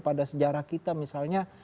pada sejarah kita misalnya